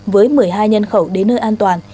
với một mươi hai nhân khẩu đến nơi an toàn